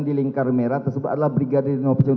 bapak yang sudah menjawab poin ini